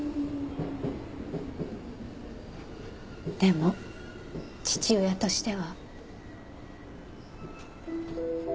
でも父親としては。